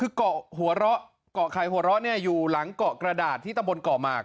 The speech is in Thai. ถือก่อหัวเราะก่อใครหัวเราะนี่อยู่หลังก่อกระดาษที่ตะบนก่อมาก